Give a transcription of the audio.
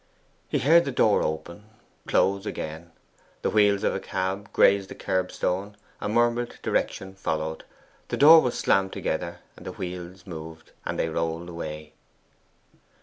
He heard the door open close again. The wheels of a cab grazed the kerbstone, a murmured direction followed. The door was slammed together, the wheels moved, and they rolled away.